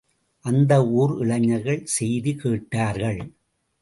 அந்த ஊர் இளைஞர்கள் செய்தி கேட்டார்கள்.